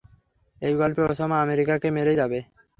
এই গল্পে ওসামা আমেরিকাকে মেরেই যাবে।